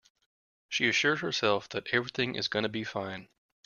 She assured herself that everything is gonna be fine.